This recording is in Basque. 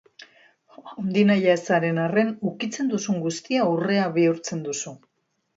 Handinahia ez zaren arren, ukitzen duzun guztia urrea bihurtzen duzu.